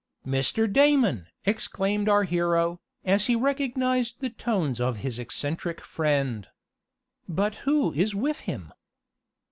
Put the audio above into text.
"Mr. Damon!" exclaimed our hero, as he recognized the tones of his eccentric friend. "But who is with him?"